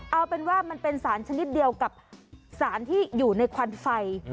เอาเป็นว่ามันเป็นสารชนิดเดียวกับสารที่อยู่ในควันไฟ